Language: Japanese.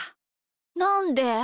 なんで？